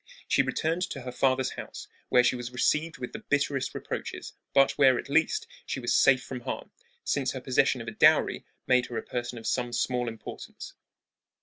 She returned to her father's house, where she was received with the bitterest reproaches, but where, at least, she was safe from harm, since her possession of a dowry made her a person of some small importance.